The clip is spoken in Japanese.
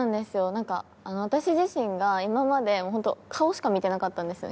なんか私自身が今まで本当顔しか見てなかったんですよ